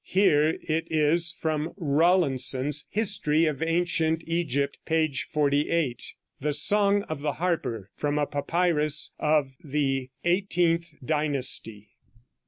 Here it is, from Rawlinson's "History of Ancient Egypt," p. 48: "THE SONG OF THE HARPER." (From a papyrus of the XVIIIth Dynasty.)